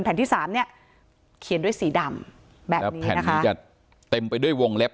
แผ่นที่สามเนี้ยเขียนด้วยสีดำแบบนี้นะคะแล้วแผ่นนี้จะเต็มไปด้วยวงเล็บ